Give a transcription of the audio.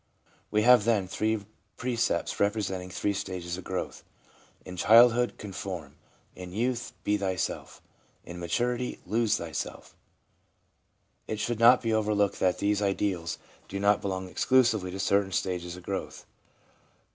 We have, then, three precepts, representing three stages of growth: in childhood, conform; in youth, be thyself; in maturity, lose thyself It should not be overlooked that these ideals do not belong exclusively to certain stages of growth.